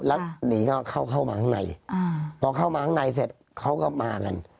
แล้วหนีก็เข้ามาข้างในพอเข้ามาข้างในเสร็จเขาก็มากัน